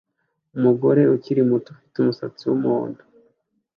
Umugore ukiri muto ufite umusatsi wumuhondo